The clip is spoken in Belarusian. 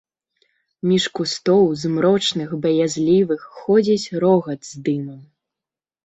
Між кустоў, змрочных, баязлівых, ходзіць рогат з дымам.